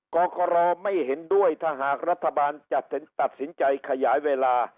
กรกรไม่เห็นด้วยถ้าหากรัฐบาลจะตัดสินใจขยายเวลา